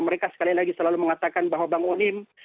mereka sekali lagi selalu mengatakan bahwa bang onim